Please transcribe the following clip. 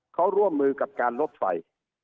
เขาร่วมมือกับการลบไฟ